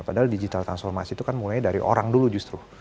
padahal digital transformasi itu kan mulai dari orang dulu justru